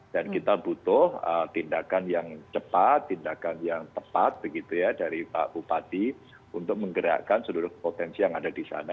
dan kita butuh tindakan yang cepat tindakan yang tepat begitu ya dari pak bupati untuk menggerakkan seluruh potensi yang ada di sana